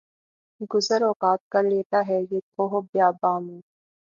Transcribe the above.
گزر اوقات کر لیتا ہے یہ کوہ و بیاباں میں